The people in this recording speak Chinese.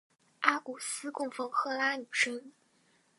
阿古斯供奉赫拉女神。